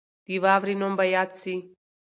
د واورې نوم به یاد سي.